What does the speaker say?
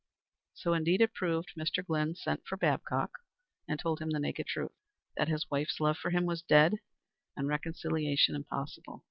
So, indeed, it proved. Mr. Glynn sent for Babcock and told him the naked truth, that his wife's love for him was dead and reconciliation impossible.